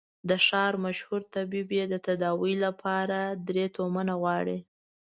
د ښار مشهور طبيب يې د تداوي له پاره درې تومنه غواړي.